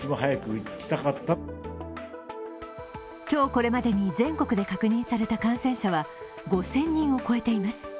今日これまでに全国で確認された感染者は５０００人を超えています。